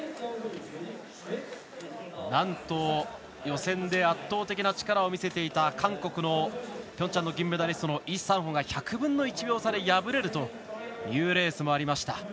なんと、予選で圧倒的な力を見せていた韓国のピョンチャンの銀メダリストのイ・サンホが１００分の１秒差で敗れるというレースもありました。